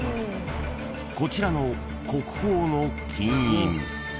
［こちらの国宝の金印］